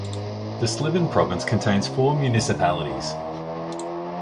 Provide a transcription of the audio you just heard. The Sliven province contains four municipalities.